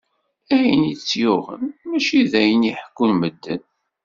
Ayen i tt-yuɣen, mačči d ayen i ḥekkun medden.